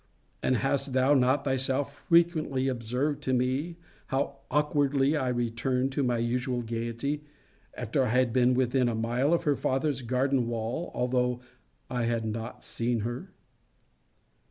And hast thou not thyself frequently observed to me, how awkwardly I returned to my usual gayety, after I had been within a mile of her father's garden wall, although I had not seen her?